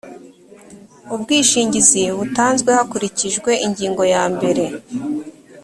ubwishingizi butanzwe hakurikijwe ingingo ya mbere